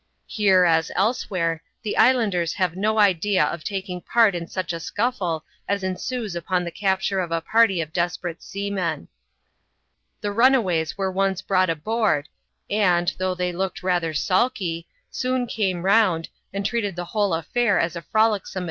Here, as elsewhere, the islanders have no idea of taidng part in such a scuffle as ensues upon the capture of a party of desperate seamen. llie runaways were once brought aboard, and, thongh they looked rather sulky, soon came round, and treated the whole affair as a frolicsome adventure.